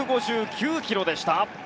１５９キロでした。